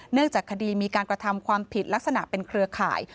จากคดีมีการกระทำความผิดลักษณะเป็นเครือข่าย